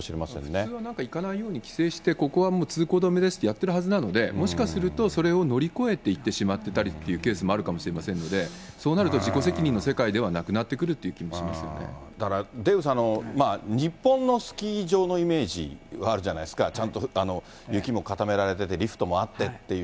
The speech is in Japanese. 普通は行かないように規制して、ここはもう通行止めですってやってるはずなので、もしかすると、それを乗り越えて行ってしまってたりというケースもあるかもしれませんので、そうなると自己責任の世界ではなくなってくるというだから、デーブさん、日本のスキー場のイメージがあるじゃないですか、ちゃんと雪も固められてて、リフトもあってっていう。